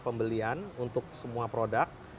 pembelian untuk semua produk